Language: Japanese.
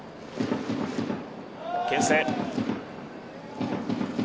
けん制。